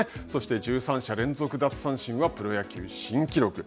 そして１３者連続奪三振はプロ野球新記録。